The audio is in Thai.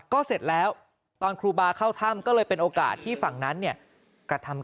ก็เสร็จแล้วตอนครูบาเข้าถ้ำก็เลยเป็นโอกาสที่ฝั่งนั้นเนี่ยกระทำ